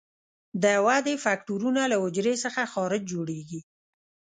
د ودې فکټورونه له حجرې څخه خارج جوړیږي.